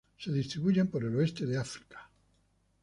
Se distribuyen por el oeste de África.